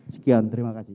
sekian terima kasih